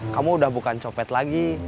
kamu udah bukan copet lagi